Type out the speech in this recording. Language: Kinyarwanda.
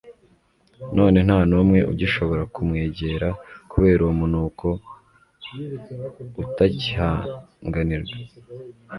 none nta n'umwe ugishobora kumwegera, kubera uwo munuko utakihanganirwa